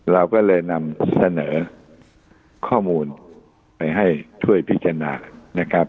เราก็เลยนำเสนอข้อมูลไปให้ช่วยพิจารณานะครับ